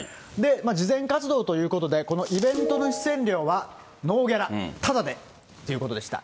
慈善活動ということで、このイベントの出演料はノーギャラ、ただで、ということでした。